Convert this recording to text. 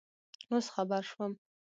اوس خبر شوم